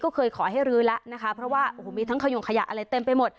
ก็เคยขอให้รื้อแล้วนะคะเพราะว่าโอ้โหมีทั้งขยงขยะอะไรเต็มไปหมด